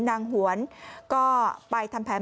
หวนก็ไปทำแผน